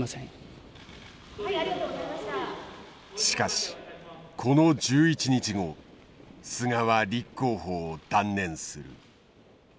しかしこの１１日後菅は立候補を断念する。